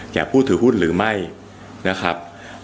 ผู้ถือหุ้นหรือไม่นะครับ